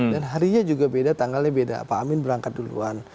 dan harinya juga beda tanggalnya beda pak amin berangkat duluan